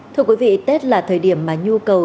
thưa quý vị tết là thời điểm mà nhu cầu